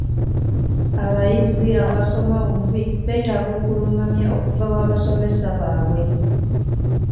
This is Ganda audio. Abayizi abasoma obubi beetaaga okulungamya okuva bassaabasomesa baabwe.